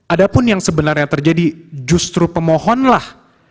adapun yang sebenarnya terjadi justru pemohonlah